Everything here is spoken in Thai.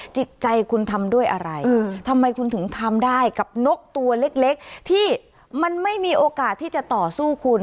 จิตใจคุณทำด้วยอะไรทำไมคุณถึงทำได้กับนกตัวเล็กที่มันไม่มีโอกาสที่จะต่อสู้คุณ